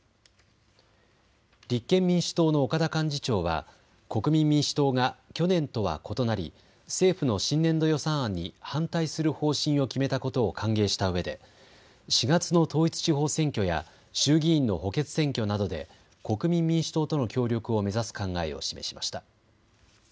立憲民主党の岡田幹事長は国民民主党が去年とは異なり政府の新年度予算案に反対する方針を決めたことを歓迎したうえで４月の統一地方選挙や衆議院の補欠選挙などで国民民主党との協力を目指す考えを示しました。